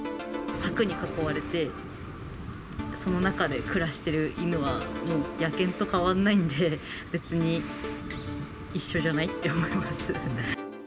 柵に囲われて、その中で暮らしてる犬は、もう、野犬と変わんないんで、別に、一緒じゃない？って思います。